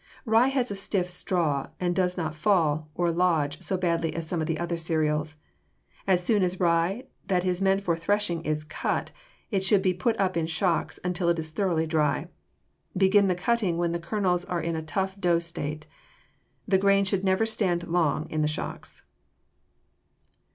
Rye has a stiff straw and does not fall, or "lodge," so badly as some of the other cereals. As soon as rye that is meant for threshing is cut, it should be put up in shocks until it is thoroughly dry. Begin the cutting when the kernels are in a tough dough state. The grain should never stand long in the shocks.